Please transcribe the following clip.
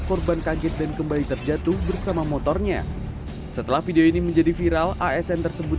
korban kaget dan kembali terjatuh bersama motornya setelah video ini menjadi viral asn tersebut